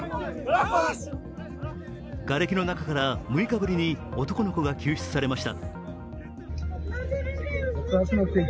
がれきの中から６日ぶりに男の子が救出されました。